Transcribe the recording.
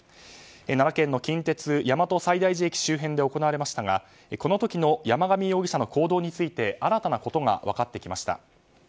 奈良県の近鉄大和西大寺駅周辺で行われましたが、この時の山上容疑者の行動について新たなことが分かってきました。